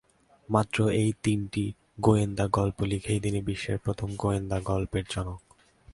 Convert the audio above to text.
মাত্র এই তিনটি গোয়েন্দা গল্প লিখেই তিনি বিশ্বের প্রথম গোয়েন্দাগল্পের জনক।